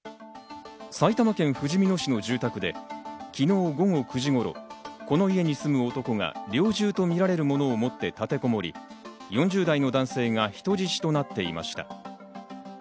埼玉県ふじみ野市の住宅で昨日午後９時頃、この家に住む男が猟銃とみられるもの持って立てこもり４０代の男性が人質となっていました。